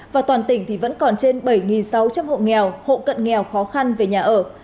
và toàn tỉnh thì vẫn còn trên bảy sáu trăm linh hộ nghèo hộ cận nghèo khó khăn về nhà ở